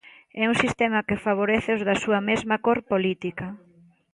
É un sistema que favorece os da súa mesma cor política.